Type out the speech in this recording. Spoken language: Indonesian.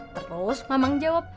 terus mamang jawab